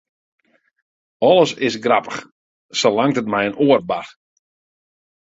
Alles is grappich, salang't it mei in oar bart.